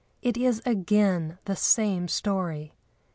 It is again the same story.